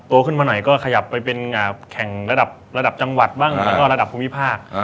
ขึ้นมาหน่อยก็ขยับไปเป็นแข่งระดับระดับจังหวัดบ้างแล้วก็ระดับภูมิภาค